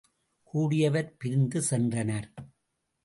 கூடியவர் பிரிந்து சென்றனர்.